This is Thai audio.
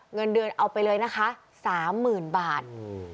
เงินเดือนเอาไปเลยนะคะ๓๐๐๐บาท